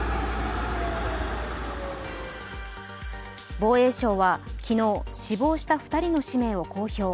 防衛省は昨日、死亡した２人の氏名を公表。